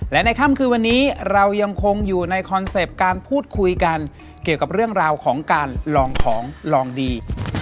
และในค่ำคืนวันนี้เรายังคงอยู่ในคอนเซ็ปต์การพูดคุยกันเกี่ยวกับเรื่องราวของการลองของลองดี